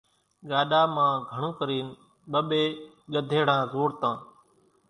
ڳاڏا مان گھڻون ڪرينَ ٻٻيَ ڳڌيڙان زوڙتان۔